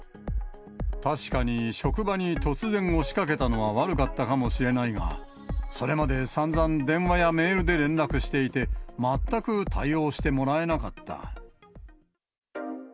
確かに、職場に突然押しかけたのは悪かったかもしれないが、それまでさんざん電話やメールで連絡していて、全く対応してもらえなかった。